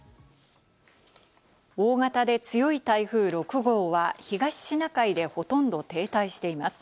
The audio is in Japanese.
大型で強い台風６号は東シナ海でほとんど停滞しています。